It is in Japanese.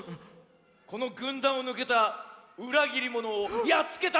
このぐんだんをぬけたうらぎりものをやっつけたまでよ！